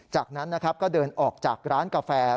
จากนั้นนะครับก็เดินออกจากร้านกาแฟ